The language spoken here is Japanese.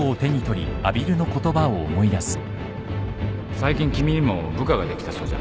最近君にも部下ができたそうじゃないか